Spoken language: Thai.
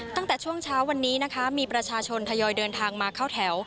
ตั้งแต่ช่วงเช้าวันนี้นะคะมีประชาชนทยอยเดินทางมาเข้าแถว